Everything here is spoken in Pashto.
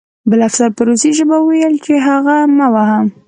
بل افسر په روسي ژبه وویل چې هغه مه وهه